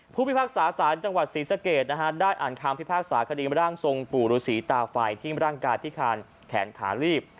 พิพากษาสารจังหวัดศรีสะเกดนะฮะได้อ่านคำพิพากษาคดีร่างทรงปู่ฤษีตาไฟที่ร่างกายพิคารแขนขาลีบ